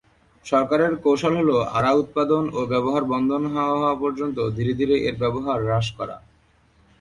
সরকারের কৌশল হলো আরা উৎপাদন ও ব্যবহার বন্ধ না হওয়া পর্যন্ত ধীরে ধীরে এর ব্যবহার হ্রাস করা।